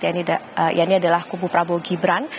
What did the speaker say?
ya ini adalah kubu prabowo gibran